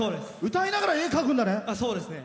歌いながら絵を描くんだね。